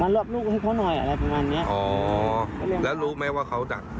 มารอบลูกให้เขาหน่อยอะไรประมาณนี้